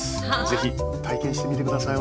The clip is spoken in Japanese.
是非体験してみて下さい。